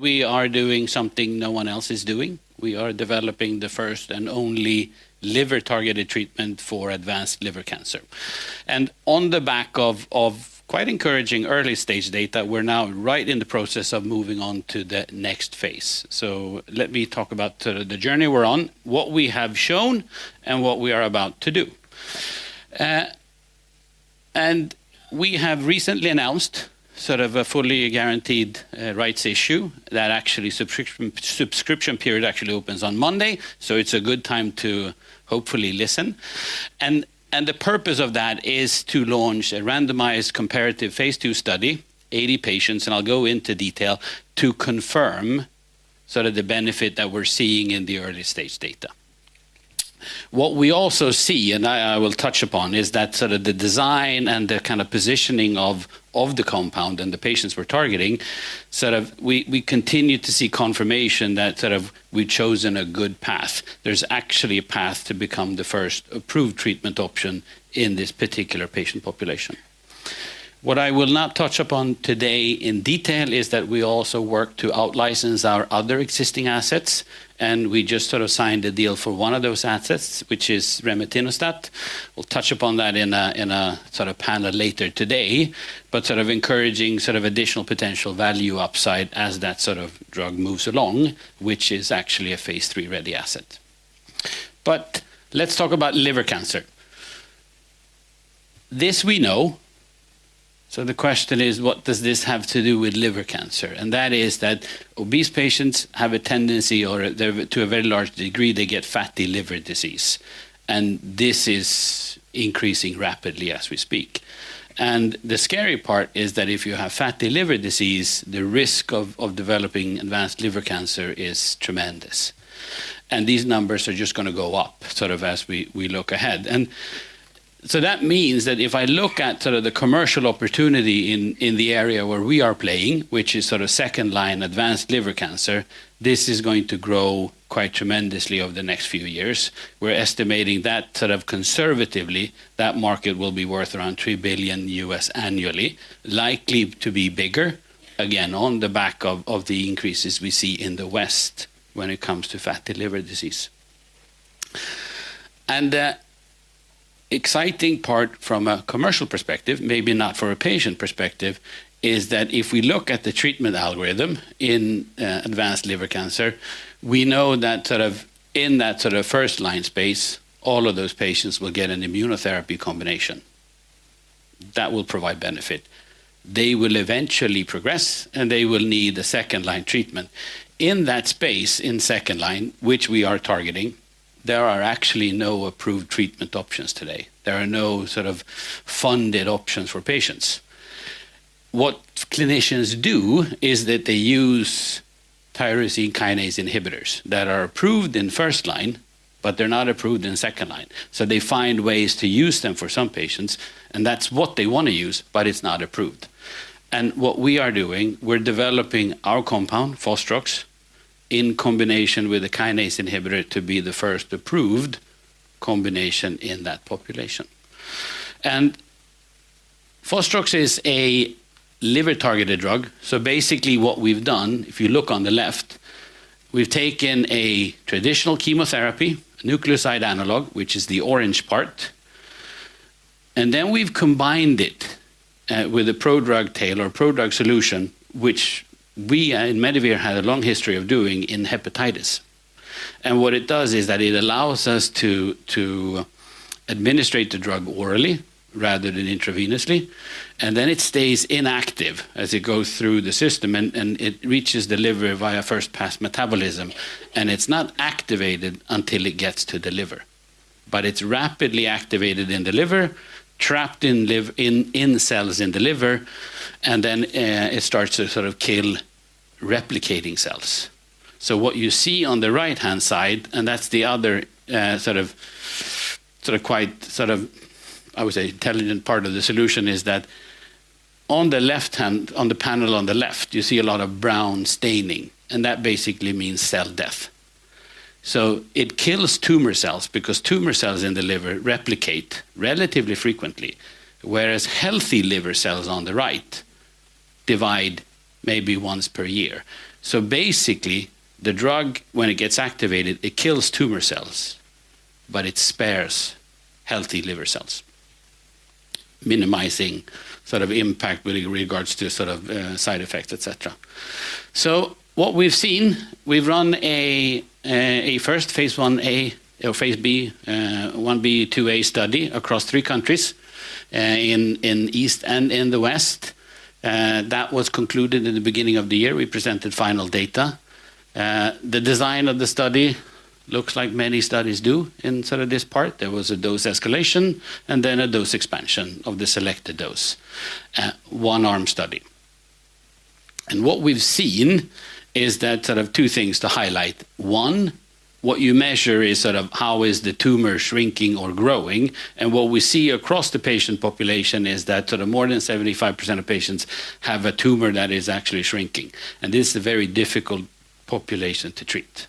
We are doing something no one else is doing. We are developing the first and only liver-targeted treatment for advanced liver cancer. On the back of quite encouraging early-stage data, we're now right in the process of moving on to the next phase. Let me talk about the journey we're on, what we have shown, and what we are about to do. We have recently announced sort of a fully guaranteed rights issue that actually the subscription period actually opens on Monday. It is a good time to hopefully listen. The purpose of that is to launch a randomized comparative phase II study, 80 patients, and I'll go into detail to confirm sort of the benefit that we're seeing in the early-stage data. What we also see, and I will touch upon, is that sort of the design and the kind of positioning of the compound and the patients we're targeting, sort of we continue to see confirmation that sort of we've chosen a good path. There's actually a path to become the first approved treatment option in this particular patient population. What I will not touch upon today in detail is that we also work to out-license our other existing assets. And we just sort of signed a deal for one of those assets, which is remetinostat. We'll touch upon that in a sort of panel later today, but sort of encouraging sort of additional potential value upside as that sort of drug moves along, which is actually a phase III ready asset. Let's talk about liver cancer. This we know. The question is, what does this have to do with liver cancer? That is that obese patients have a tendency, or to a very large degree, they get fatty liver disease. This is increasing rapidly as we speak. The scary part is that if you have fatty liver disease, the risk of developing advanced liver cancer is tremendous. These numbers are just going to go up sort of as we look ahead. That means that if I look at sort of the commercial opportunity in the area where we are playing, which is sort of second-line advanced liver cancer, this is going to grow quite tremendously over the next few years. We're estimating that sort of conservatively, that market will be worth around $3 billion annually, likely to be bigger, again, on the back of the increases we see in the West when it comes to fatty liver disease. The exciting part from a commercial perspective, maybe not from a patient perspective, is that if we look at the treatment algorithm in advanced liver cancer, we know that sort of in that sort of first line space, all of those patients will get an immunotherapy combination that will provide benefit. They will eventually progress, and they will need a second line treatment. In that space, in second line, which we are targeting, there are actually no approved treatment options today. There are no sort of funded options for patients. What clinicians do is that they use tyrosine kinase inhibitors that are approved in first line, but they're not approved in second line. They find ways to use them for some patients, and that's what they want to use, but it's not approved. What we are doing, we're developing our compound, Fostrox, in combination with a kinase inhibitor to be the first approved combination in that population. Fostrox is a liver-targeted drug. Basically what we've done, if you look on the left, we've taken a traditional chemotherapy, a nucleoside analog, which is the orange part, and then we've combined it with a prodrug tail or prodrug solution, which we in Medivir had a long history of doing in hepatitis. What it does is that it allows us to administrate the drug orally rather than intravenously. It stays inactive as it goes through the system, and it reaches the liver via first-pass metabolism. It is not activated until it gets to the liver, but it is rapidly activated in the liver, trapped in cells in the liver, and then it starts to sort of kill replicating cells. What you see on the right-hand side, and that is the other sort of quite sort of, I would say, intelligent part of the solution, is that on the panel on the left, you see a lot of brown staining, and that basically means cell death. It kills tumor cells because tumor cells in the liver replicate relatively frequently, whereas healthy liver cells on the right divide maybe once per year. Basically, the drug, when it gets activated, it kills tumor cells, but it spares healthy liver cells, minimizing sort of impact with regards to sort of side effects, et cetera. What we've seen, we've run a first phase 1b or phase 1b/2a study across three countries in the East and in the West. That was concluded in the beginning of the year. We presented final data. The design of the study looks like many studies do in sort of this part. There was a dose escalation and then a dose expansion of the selected dose, one-arm study. What we've seen is that sort of two things to highlight. One, what you measure is sort of how is the tumor shrinking or growing. What we see across the patient population is that more than 75% of patients have a tumor that is actually shrinking. This is a very difficult population to treat.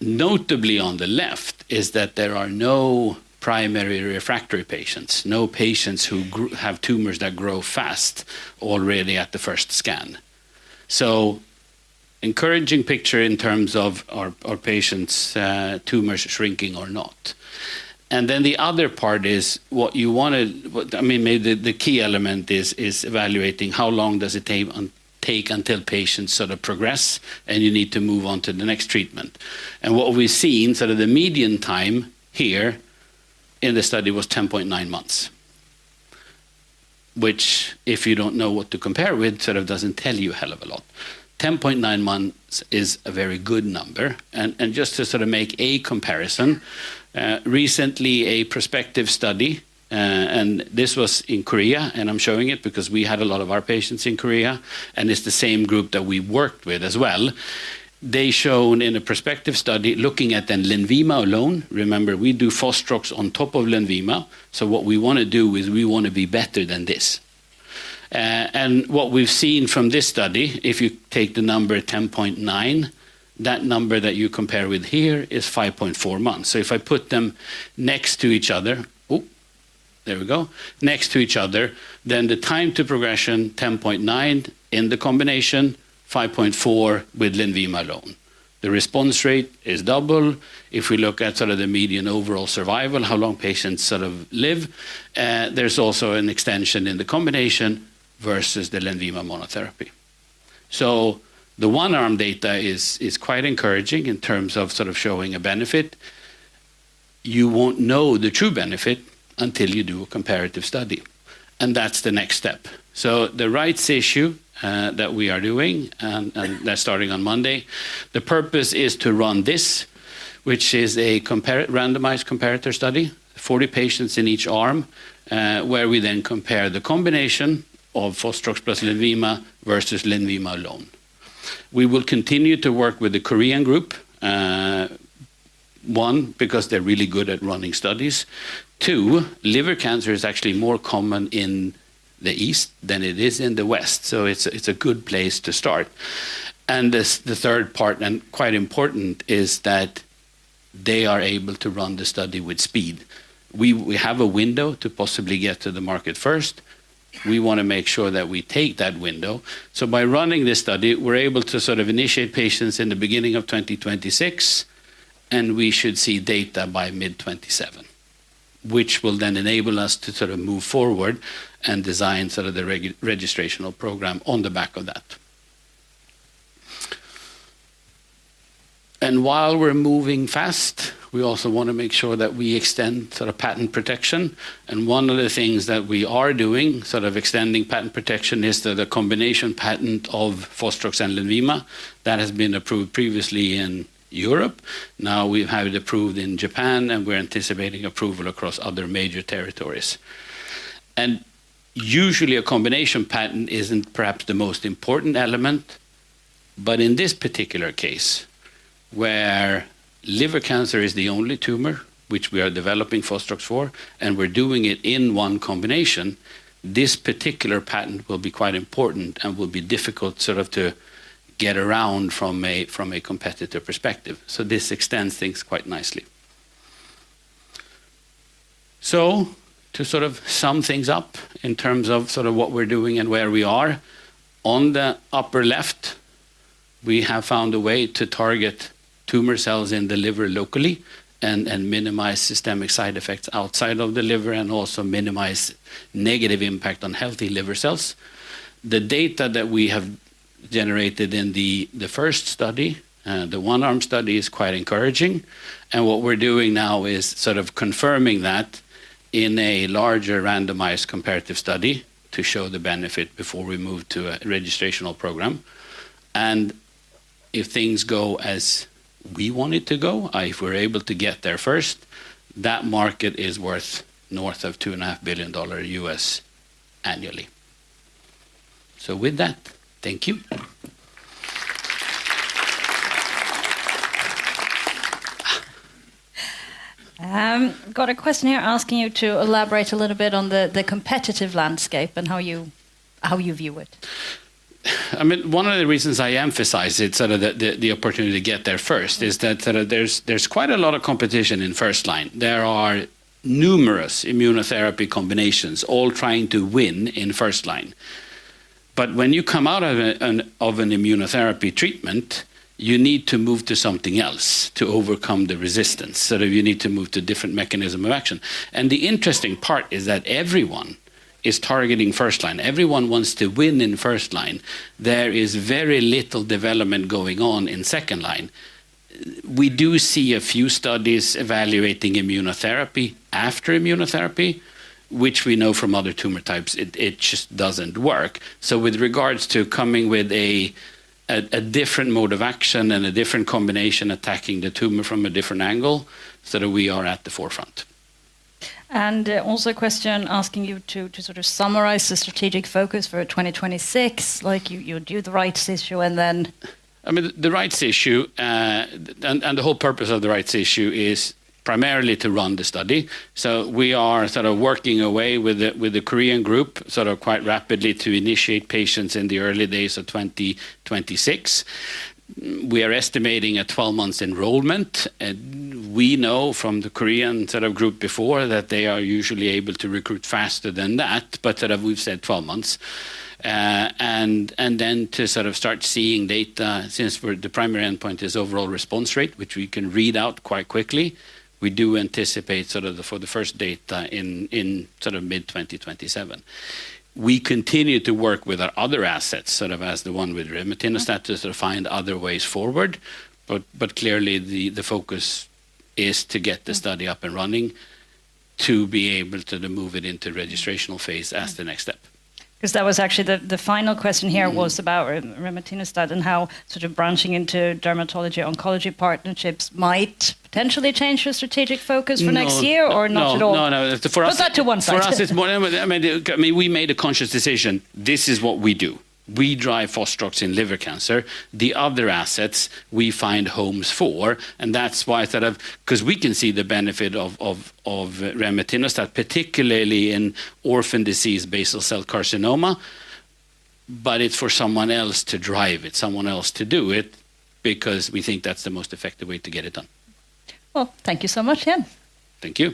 Notably, on the left is that there are no primary refractory patients, no patients who have tumors that grow fast already at the first scan. It is an encouraging picture in terms of are patients' tumors shrinking or not. The other part is what you want to, I mean, maybe the key element is evaluating how long it takes until patients progress and you need to move on to the next treatment. What we've seen, the median time here in the study was 10.9 months, which if you do not know what to compare with, does not tell you a hell of a lot. 10.9 months is a very good number. Just to sort of make a comparison, recently a prospective study, and this was in Korea, and I'm showing it because we had a lot of our patients in Korea, and it's the same group that we worked with as well. They showed in a prospective study looking at then LENVIMA alone, remember, we do Fostrox on top of LENVIMA. What we want to do is we want to be better than this. What we've seen from this study, if you take the number 10.9, that number that you compare with here is 5.4 months. If I put them next to each other, oh, there we go, next to each other, then the time to progression 10.9 in the combination, 5.4 with LENVIMA alone. The response rate is double. If we look at sort of the median overall survival, how long patients sort of live, there's also an extension in the combination versus the LENVIMA monotherapy. The one-arm data is quite encouraging in terms of sort of showing a benefit. You won't know the true benefit until you do a comparative study. That's the next step. The rights issue that we are doing, and that's starting on Monday, the purpose is to run this, which is a randomized comparator study, 40 patients in each arm, where we then compare the combination of Fostrox plus LENVIMA versus LENVIMA alone. We will continue to work with the Korean group, one, because they're really good at running studies. Two, liver cancer is actually more common in the East than it is in the West. It's a good place to start. The third part, and quite important, is that they are able to run the study with speed. We have a window to possibly get to the market first. We want to make sure that we take that window. By running this study, we're able to sort of initiate patients in the beginning of 2026, and we should see data by mid-2027, which will then enable us to sort of move forward and design sort of the registration program on the back of that. While we're moving fast, we also want to make sure that we extend sort of patent protection. One of the things that we are doing, sort of extending patent protection, is the combination patent of Fostrox and LENVIMA that has been approved previously in Europe. Now we have it approved in Japan, and we're anticipating approval across other major territories. Usually a combination patent is not perhaps the most important element, but in this particular case, where liver cancer is the only tumor which we are developing Fostrox for, and we are doing it in one combination, this particular patent will be quite important and will be difficult to get around from a competitor perspective. This extends things quite nicely. To sum things up in terms of what we are doing and where we are, on the upper left, we have found a way to target tumor cells in the liver locally and minimize systemic side effects outside of the liver and also minimize negative impact on healthy liver cells. The data that we have generated in the first study, the one-arm study, is quite encouraging. What we're doing now is sort of confirming that in a larger randomized comparative study to show the benefit before we move to a registrational program. If things go as we want it to go, if we're able to get there first, that market is worth north of $2.5 billion annually. With that, thank you. Got a question here asking you to elaborate a little bit on the competitive landscape and how you view it. I mean, one of the reasons I emphasize it, sort of the opportunity to get there first, is that sort of there's quite a lot of competition in first line. There are numerous immunotherapy combinations all trying to win in first line. When you come out of an immunotherapy treatment, you need to move to something else to overcome the resistance. You need to move to a different mechanism of action. The interesting part is that everyone is targeting first line. Everyone wants to win in first line. There is very little development going on in second line. We do see a few studies evaluating immunotherapy after immunotherapy, which we know from other tumor types, it just doesn't work. With regards to coming with a different mode of action and a different combination attacking the tumor from a different angle, so that we are at the forefront. Also a question asking you to sort of summarize the strategic focus for 2026, like you do the rights issue and then. I mean, the rights issue and the whole purpose of the rights issue is primarily to run the study. We are sort of working away with the Korean group sort of quite rapidly to initiate patients in the early days of 2026. We are estimating a 12-month enrollment. We know from the Korean sort of group before that they are usually able to recruit faster than that, but sort of we've said 12 months. To sort of start seeing data since the primary endpoint is overall response rate, which we can read out quite quickly, we do anticipate sort of for the first data in sort of mid-2027. We continue to work with our other assets sort of as the one with remetinostat to find other ways forward. Clearly the focus is to get the study up and running to be able to move it into registrational phase as the next step. Because that was actually the final question here was about remetinostat study and how sort of branching into dermatology-oncology partnerships might potentially change your strategic focus for next year or not at all. No, no, no. Just that to one side. For us, I mean, we made a conscious decision. This is what we do. We drive Fostrox in liver cancer. The other assets we find homes for. That is why, sort of, because we can see the benefit of remetinostat study, particularly in orphan disease basal cell carcinoma. But it is for someone else to drive it, someone else to do it, because we think that is the most effective way to get it done. Thank you so much, Jens. Thank you.